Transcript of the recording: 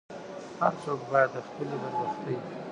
هر څوک باید د خپلې بدبختۍ.